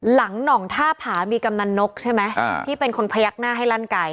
หน่องท่าผามีกำนันนกใช่ไหมอ่าที่เป็นคนพยักหน้าให้ลั่นไก่